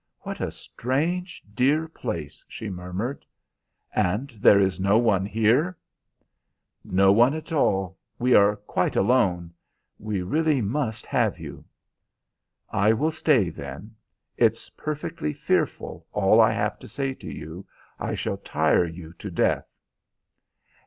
"What a strange, dear place!" she murmured. "And there is no one here?" "No one at all. We are quite alone. We really must have you." "I will stay, then. It's perfectly fearful, all I have to say to you. I shall tire you to death."